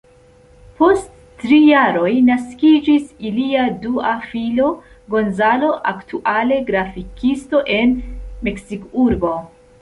Post tri jaroj, naskiĝis ilia dua filo, Gonzalo, aktuale grafikisto en Meksikurbo.